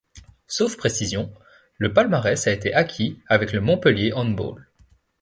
Sauf précision, le palmarès a été acquis avec le Montpellier Handball.